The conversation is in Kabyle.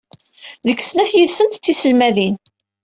Deg snat yid-sent d tiselmadin.